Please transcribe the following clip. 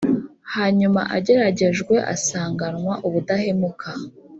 hanyuma ageragejwe asanganwa ubudahemuka.